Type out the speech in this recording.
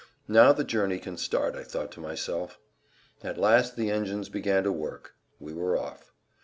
Now the journey can start, I thought to myself. At last the engines began to work; we were off.